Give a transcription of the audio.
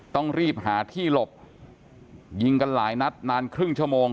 ต้องรีบหาที่หลบยิงกันหลายนัดนานครึ่งชั่วโมง